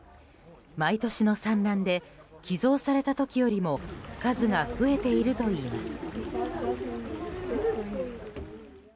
毎年の産卵で寄贈された時よりも数が増えているといいます。